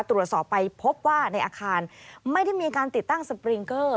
ตรวจสอบไปพบว่าในอาคารไม่ได้มีการติดตั้งสปริงเกอร์